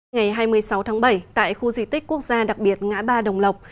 ngày hai mươi sáu tháng bảy tại khu di tích quốc gia đặc biệt ngã ba đồng lộc